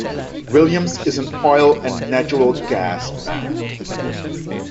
Williams is an oil and natural gas man.